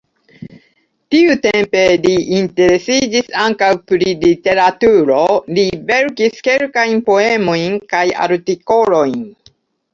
Tiutempe li interesiĝis ankaŭ pri literaturo, li verkis kelkajn poemojn kaj artikolojn.